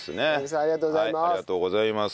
ありがとうございます。